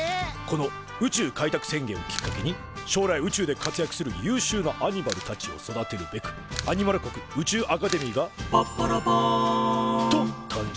この宇宙開拓宣伝をきっかけに将来宇宙で活躍する優秀なアニマルたちを育てるべくアニマル国宇宙アカデミーが「ぱっぱらぱん」と誕生。